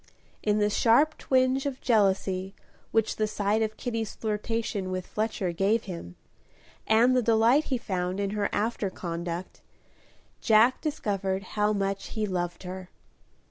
In the sharp twinge of jealousy which the sight of Kitty's flirtation with Fletcher gave him, and the delight he found in her after conduct, Jack discovered how much he loved her.